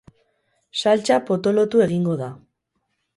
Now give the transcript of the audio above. Saltsa potolotu egingo da.